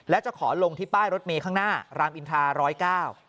และจะขอลงที่ป้ายรถเมย์ข้างหน้ารามอินทราร้อยเก้า